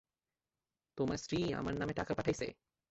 তোমার স্ত্রী আমার নামে টাকা পাঠাইছে?